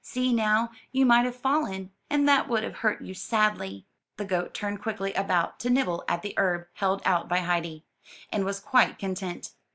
See, now, you might have fallen, and that would have hurt you sadly.*' The goat turned quickly about to nibble at the herb held out by Heidi, and was quite content.